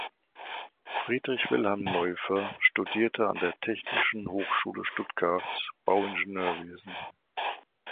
Friedrich Wilhelm Neuffer studierte an der Technischen Hochschule Stuttgart Bauingenieurwesen.